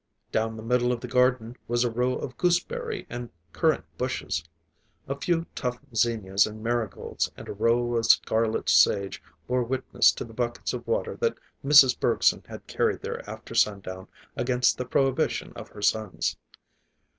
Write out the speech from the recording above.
Down the middle of the garden was a row of gooseberry and currant bushes. A few tough zenias and marigolds and a row of scarlet sage bore witness to the buckets of water that Mrs. Bergson had carried there after sundown, against the prohibition of her sons.